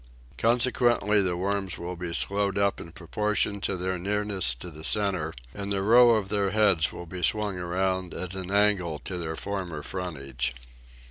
Consequently the worms will be slowed up in proportion to their nearness to the center and the row of their heads will be swung around at an angle to their former frontage.